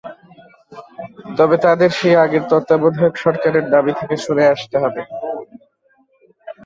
তবে তাদের সেই আগের তত্ত্বাবধায়ক সরকারের দাবি থেকে সরে আসতে হবে।